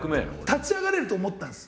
立ち上がれると思ったんです。